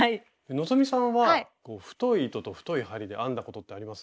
希さんは太い糸と太い針で編んだことってあります？